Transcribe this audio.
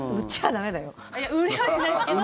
売りはしないですけど。